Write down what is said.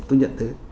tôi nhận thấy